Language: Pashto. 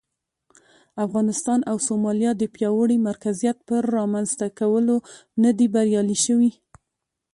افغانستان او سومالیا د پیاوړي مرکزیت پر رامنځته کولو نه دي بریالي شوي.